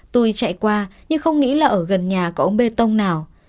tôi chạy qua nhưng không nghĩ là ở gần nhà có ống bê tông nào